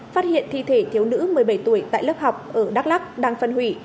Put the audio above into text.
phát hiện thi thể thiếu nữ một mươi bảy tuổi tại lớp học ở đắk lắc đang phân hủy